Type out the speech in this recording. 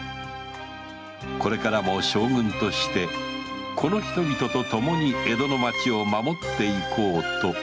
これからも将軍としてこの人々とともに江戸の町を守っていこうと吉宗は改めて思った